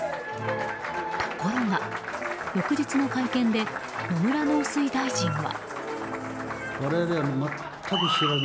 ところが、翌日の会見で野村農水大臣は。